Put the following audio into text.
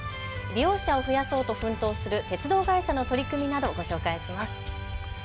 利用者を増やそうと鉄道会社の取り組みなどを紹介します。